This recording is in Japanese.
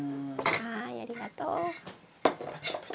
はいありがとう。